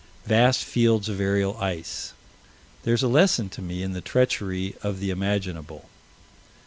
Vast fields of aerial ice. There's a lesson to me in the treachery of the imaginable.